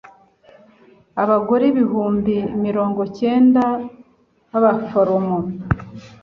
abagore ibihumbi mirongo icyenda b'abaforomo